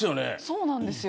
そうなんですよ。